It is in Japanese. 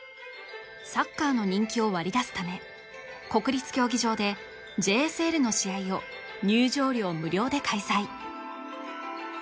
サッカーの人気を割り出すため国立競技場でＪＳＬの試合を入場料無料で開催